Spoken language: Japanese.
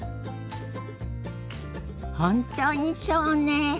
本当にそうねえ。